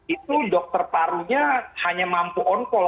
itu dokter parunya hanya mampu on call